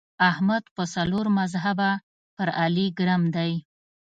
احمد په څلور مذهبه پر علي ګرم دی.